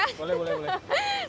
boleh boleh boleh